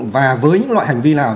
và với những loại hành vi nào